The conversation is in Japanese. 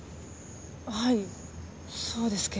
はいそうですけど。